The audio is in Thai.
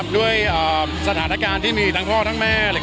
ด้วยสถานการณ์ที่มีทั้งพ่อทั้งแม่